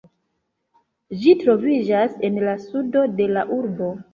Ĝi troviĝas en la sudo de la urbo.